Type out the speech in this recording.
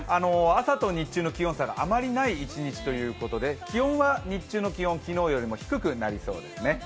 朝と日中の気温差があまりない一日ということで気温は日中の気温、昨日よりも低くなりそうですね。